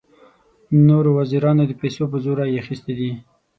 نورو وزیرانو د پیسو په زور رایې اخیستې دي.